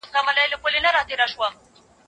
ولي هڅاند سړی د مستحق سړي په پرتله ژر بریالی کېږي؟